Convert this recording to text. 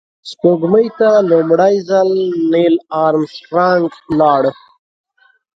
سپوږمۍ ته لومړی ځل نیل آرمسټرانګ لاړ